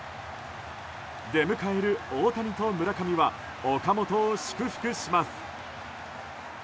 出迎える大谷と村上は岡本を祝福します。